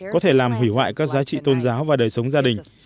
có thể làm hủy hoại các giá trị tôn giáo và đời sống gia đình